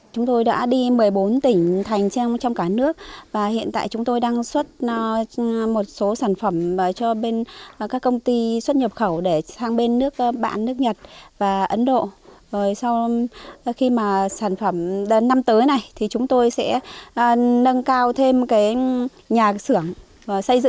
chúng xuất khẩu sang hai nước bạn nữa